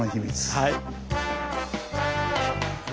はい。